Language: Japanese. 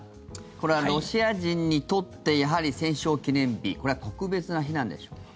これはロシア人にとってやはり戦勝記念日これは特別な日なんでしょうか。